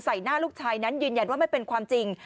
ใส่หน้าลูกชายนั้นยืนยันว่าไม่เป็นความจริง